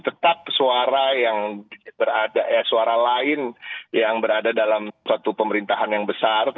tetap suara yang suara lain yang berada dalam suatu pemerintahan yang besar